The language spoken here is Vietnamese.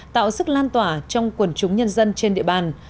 tạo sức lan tỏa trong quần chúng nhân dân trên địa bàn